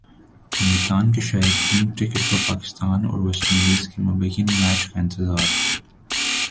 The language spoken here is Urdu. ملتان کے شائقین کرکٹ کو پاکستان اور ویسٹ انڈیز کے مابین میچ کا انتظار